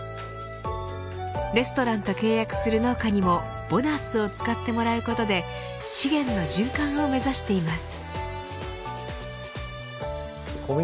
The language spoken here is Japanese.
レストランと契約する農家にもボナースを使ってもらうことで資源の循環を目指しています。